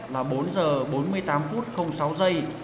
là bốn h bốn mươi tám phút sáu giây